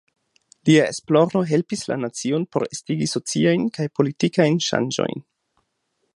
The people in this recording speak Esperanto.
Lia esploro helpis la nacion por estigi sociajn kaj politikajn ŝanĝojn.